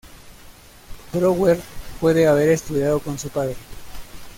Brouwer puede haber estudiado con su padre.